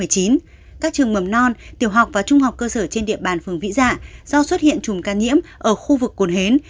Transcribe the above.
các trường mầm non tiểu học và trung học cơ sở trên địa bàn phường vĩ dạ do xuất hiện chùm ca nhiễm ở khu vực cồn hến